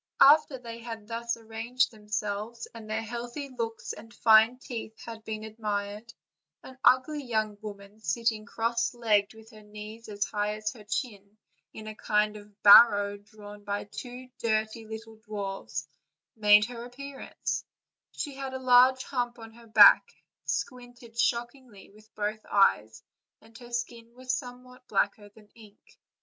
After they had thus arranged themselves, and their healthy looks and fine teeth OLD, OLD FAIRY TALES. 333 had been admired, an ugly young woman, sitting cross legged with her knees us high as her chin in a kind of barrow drawn by two dirty little dwarfs, made her ap pearance; she had a large hump on her back, squinted shockingly with both eyes, and her skin was somewhat blacker than ink.